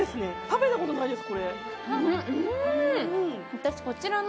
食べたことないです。